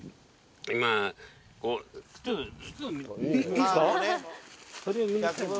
いいですか！